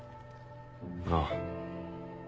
ああ。